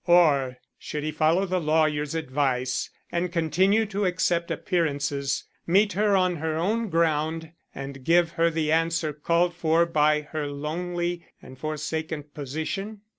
or should he follow the lawyer's advice and continue to accept appearances, meet her on her own ground and give her the answer called for by her lonely and forsaken position?